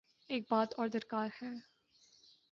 ایک بات اور درکار ہے۔